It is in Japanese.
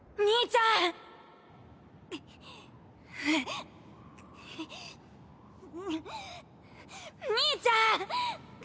兄ちゃん！